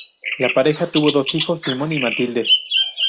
La pareja tuvo dos hijos: Simón y Matilde.